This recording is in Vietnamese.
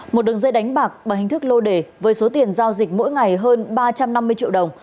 một đường dây đánh bạc bằng hình thức lô đề với số tiền giao dịch mỗi ngày hơn ba trăm năm mươi triệu đồng